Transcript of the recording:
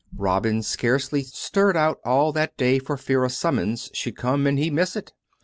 Robin scarcely stirred out all that day for fear a summons should come and he miss it.